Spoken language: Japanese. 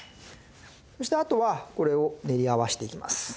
そしてあとはこれを練り合わせていきます。